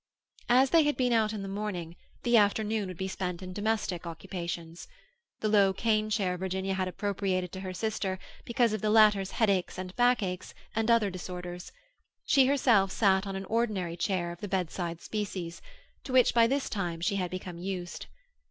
As they had been out in the morning, the afternoon would be spent in domestic occupations. The low cane chair Virginia had appropriated to her sister, because of the latter's headaches and backaches, and other disorders; she herself sat on an ordinary chair of the bedside species, to which by this time she had become used.